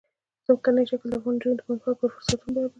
ځمکنی شکل د افغان نجونو د پرمختګ لپاره فرصتونه برابروي.